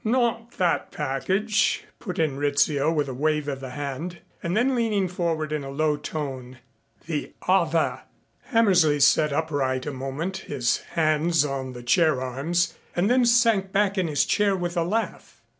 "Not that package," put in Rizzio with a wave of the hand. And then, leaning forward, in a low tone, "The other." Hammersley sat upright a moment, his hands on the chair arms and then sank back in his chair with a laugh.